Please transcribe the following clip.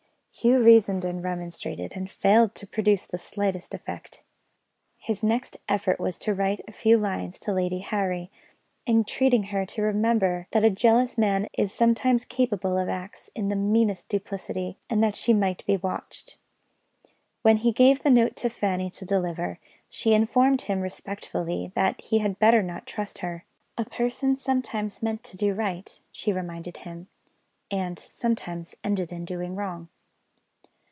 Hugh reasoned and remonstrated, and failed to produce the slightest effect. His next effort was to write a few lines to Lady Harry, entreating her to remember that a jealous man is sometimes capable of acts of the meanest duplicity, and that she might be watched. When he gave the note to Fanny to deliver, she informed him respectfully that he had better not trust her. A person sometimes meant to do right (she reminded him), and sometimes ended in doing wrong.